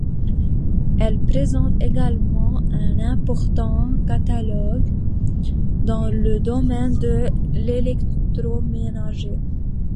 Elle présente également un important catalogue dans le domaine de l'électroménager.